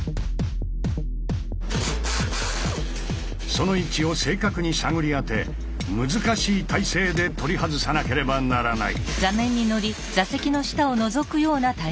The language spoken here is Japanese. その位置を正確に探り当て難しい体勢で取り外さなければならない。